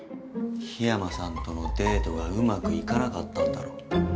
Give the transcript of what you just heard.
緋山さんとのデートがうまくいかなかったんだろ？